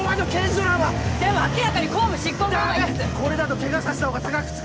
これだとケガさせたほうが高くつく。